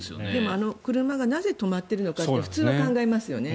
あの車がなぜ止まっているのかって普通は考えますよね。